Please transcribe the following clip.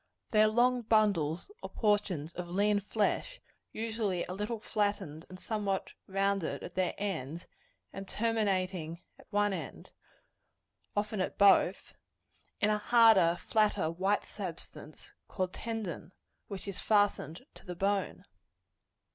They are long bundles or portions of lean flesh, usually a little flattened and somewhat rounded at their edges, and terminating at one end often at both in a harder, flatter, white substance, called tendon, which is fastened to the bone.